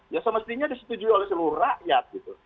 ya semestinya disetujui oleh seluruh rakyat gitu